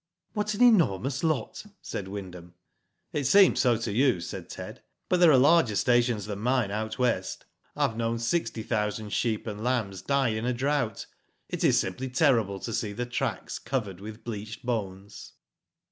'* '*What an enormous lot," said Wyndham. "It seems so to you," said Ted, "but there are larger stations than mine out 'West. I have Digitized by Google 76 WHO DID ITf known sixty thousand sheep and lambs die in a drought. It is simply terrible to see the tracks covered with bleached bones."